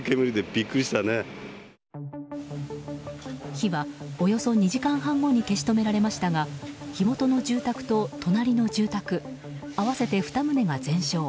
火はおよそ２時間半後に消し止められましたが火元の住宅と隣の住宅合わせて２棟が全焼。